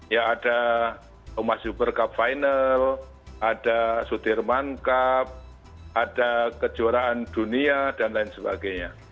ya ada omas super cup final ada sudirman cup ada kejuaraan dunia dan lain sebagainya